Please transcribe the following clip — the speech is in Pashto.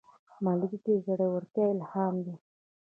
ملګری د زړورتیا الهام دی